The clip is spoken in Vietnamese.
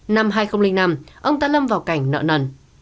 năm hai nghìn năm ông đã lâm vào cảnh nợ nần